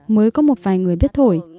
mới có một vài người biết thổi